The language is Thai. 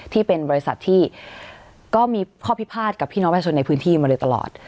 ที่เป็นบริษัทที่ก็มีข้อพิพาทกับพี่น้องประชาชนในพื้นที่มาเลยตลอด